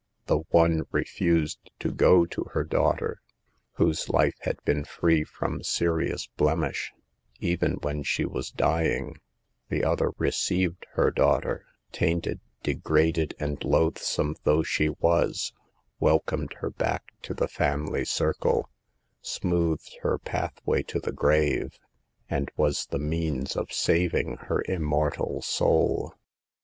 The one refused to go to her daughter, whose life had been free from serious blemish, even when she was dying ; the other received her daughter, tainted, degraded, and loathsome though she was, welcomed her back to the family circle, smoothed her pathway to the grave, and was the means of saving her immortal soul.